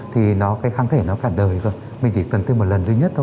thì nó cái kháng thể nó cả đời rồi mình chỉ cần tiêm một lần duy nhất thôi